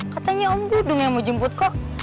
katanya om dudung yang mau jemput kok